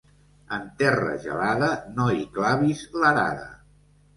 En terra gelada no hi clavis l'arada.